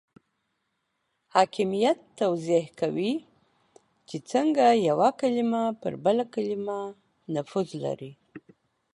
حاکمیت توضیح کوي چې څنګه یو کلمه پر بل کلمه نفوذ لري.